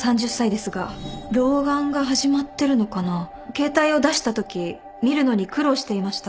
携帯を出したとき見るのに苦労していました。